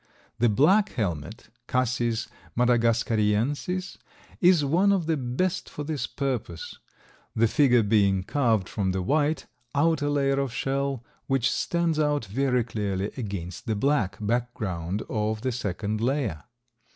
The black helmet (Cassis madagascariensis) is one of the best for this purpose, the figure being carved from the white, outer layer of shell, which stands out very clearly against the black background of the second layer.